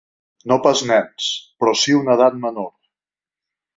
No pas nens, però sí una edat menor.